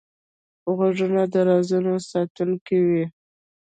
غوږونه د رازونو ساتونکی وي